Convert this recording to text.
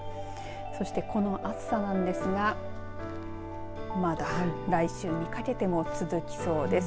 そしてこの暑さなんですがまた来週にかけても続きそうです。